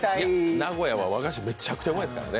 名古屋は和菓子めちゃくちゃうまいですからね。